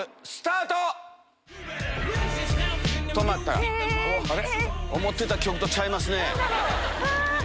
『８Ｍｉｌｅ』思ってた曲とちゃいますね。